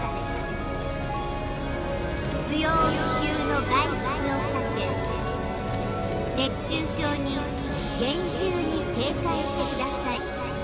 不要不急の外出を避け熱中症に厳重に警戒してください」。